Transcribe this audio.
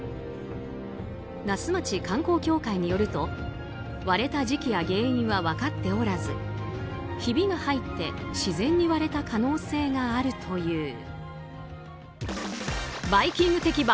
那須町観光協会によると割れた時期や原因は分かっておらずひびが入って自然に割れた可能性があるという。